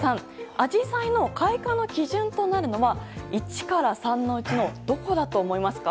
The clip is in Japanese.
アジサイの開花の基準となるのは１から３のうちのどこだと思いますか？